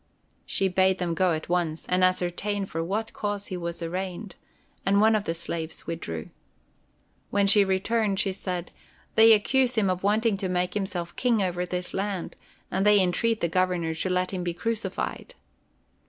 She bade them go at once and ascertain for what cause he was arraigned, and one of the slaves withdrew. When she returned she said: "They accuse him of wanting to make himself King over this land, and they entreat the Governor to let him be crucified."